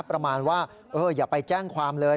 ประมาณว่าอย่าไปแจ้งความเลย